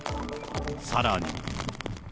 さらに。